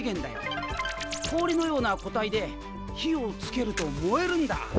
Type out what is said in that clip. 氷のような固体で火をつけると燃えるんだ。